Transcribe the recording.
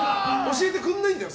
教えてくれないんだよ